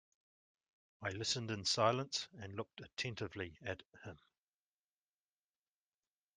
I listened in silence and looked attentively at him.